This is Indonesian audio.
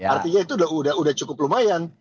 artinya itu sudah cukup lumayan